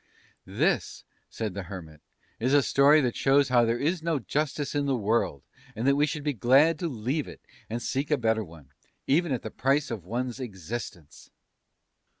"This," said the Hermit, "is a story that shows how there is no justice in the world, and that we should be glad to leave it and seek a better one even at the price of one's existence!"